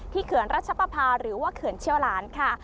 ที่เกินรัชประพาหรือว่าเกินเชี่ยวหลานค่ะ